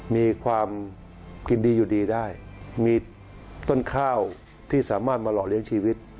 มีความกินดีอยู่ดีได้มีต้นข้าวที่สามารถมาหล่อเลี้ยงชีวิต